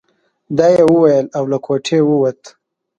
دا يې وويل او له کوټې ووت.